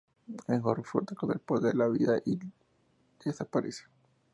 El gorro flota con el poder de la vida y desaparece.